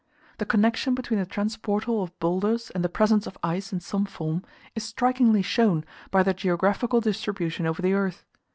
The connection between the transportal of boulders and the presence of ice in some form, is strikingly shown by their geographical distribution over the earth.